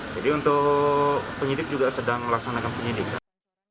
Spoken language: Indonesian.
jadi untuk penyidik juga sedang melaksanakan penyidikan